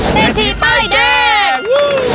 เซทีป้ายเด้ง